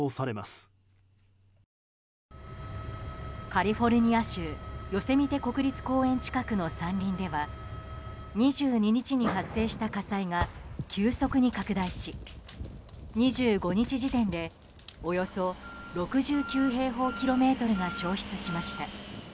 カリフォルニア州ヨセミテ国立公園近くの山林では２２日に発生した火災が急速に拡大し２５日時点でおよそ６９平方キロメートルが焼失しました。